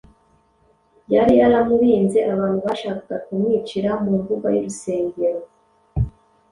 Yari yaramurinze abantu bashakaga kumwicira mu mbuga y’urusengero;